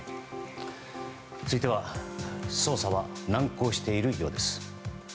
続いては捜査は難航しているようです。